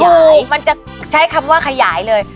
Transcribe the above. มันจะใช้คำว่าขยายเลย